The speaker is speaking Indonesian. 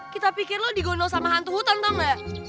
kita pikir lo digondol sama hantu hutan tau ga